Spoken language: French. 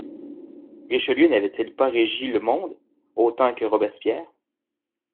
Richelieu n'avait-il pas régi le monde, autant que Robespierre?